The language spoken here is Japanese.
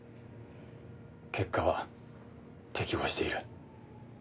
結果は適合している。